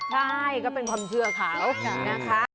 ใช่ก็เป็นความเชื่อเขานะคะ